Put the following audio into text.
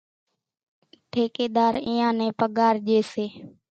ٺيڪيۮار اينيان نين پڳار ڄيَ سي۔